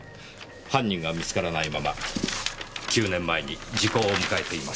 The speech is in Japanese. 犯人が見つからないまま９年前に時効を迎えています。